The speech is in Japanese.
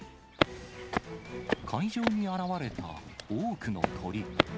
海上に現れた多くの鳥。